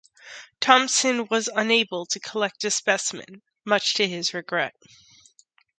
Thomson was unable to collect a specimen, much to his regret.